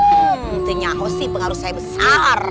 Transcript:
pentingnya aku sih pengaruh saya besar